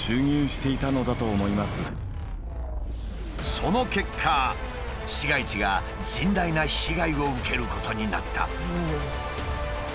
その結果市街地が甚大な被害を受けることになった。